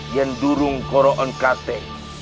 yang turun koroan kate